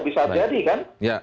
bisa jadi kan